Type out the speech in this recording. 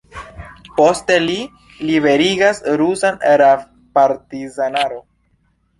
Poste lin liberigas rusa rab-partizanaro.